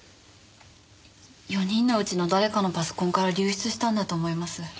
４人のうちの誰かのパソコンから流出したんだと思います。